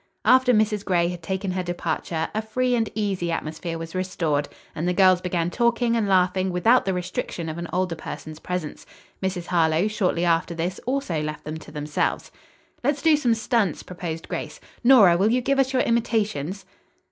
After Mrs. Gray had taken her departure a free and easy atmosphere was restored and the girls began talking and laughing without the restriction of an older person's presence. Mrs. Harlowe shortly after this also left them to themselves. "Let's do some stunts," proposed Grace. "Nora, will you give us your imitations?"